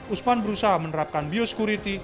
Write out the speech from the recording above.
usman berusaha menerapkan bioscurity